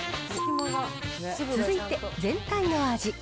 続いて、全体の味。